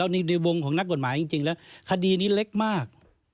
ในวงของนักกฎหมายจริงแล้วคดีนี้เล็กมาก